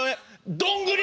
どんぐり！